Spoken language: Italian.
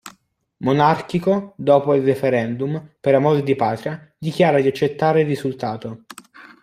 Monarchico, dopo il referendum, per amor di Patria, dichiara di accettare il risultato.